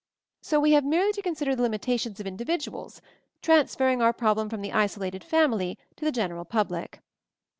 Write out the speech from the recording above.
So we have merely to consider the limitations of individuals, transferring our problem from the isolated family to the general public.